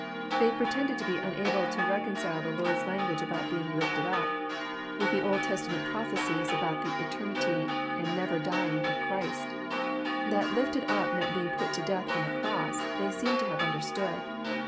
They i^retended to be nnable to reconcile the Lord's language about being '< lifted up," with the Old Test* JOHN, CHAP. xn. 361 ment prophecies about the eternity and never dying of Christ. — That " lifted np " meant being put to death on the cross, they seem to have understood.